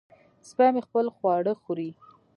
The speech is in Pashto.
سپی مې خپل خواړه خوري.